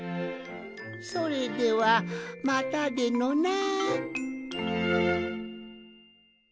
それではまたでのな。